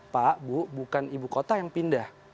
pak bu bukan ibu kota yang pindah